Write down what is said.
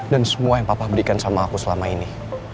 dan semua yang papa berikan sama aku selama ini